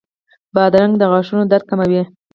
بادرنګ د غاښونو درد کموي.